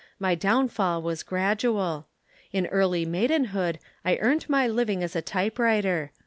My downfall was gradual. In early maidenhood I earnt my living as a type writer.